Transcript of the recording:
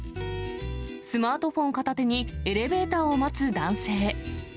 スマートフォン片手にエレベーターを待つ男性。